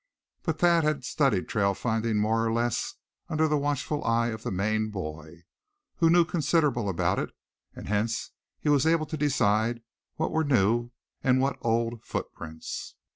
But Thad had studied trail finding more or less under the watchful eye of the Maine boy, who knew considerable about it; and hence he was able to decide what were new, and what old footprints.